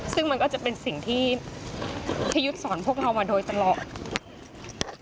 ซึ่งมันก็จะเป็นสิ่งที่พี่ยุทธ์สอนพวกเรามาโดยตลอด